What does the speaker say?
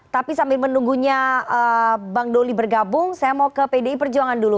tapi sambil menunggunya bang doli bergabung saya mau ke pdi perjuangan dulu